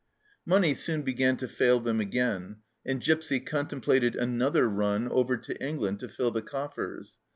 Money soon began to fail them again, and Gipsy contemplated another run over to England to fill the coffers.